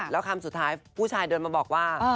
แล้วคำสุดท้ายผู้ชายเดินมาบอกว่า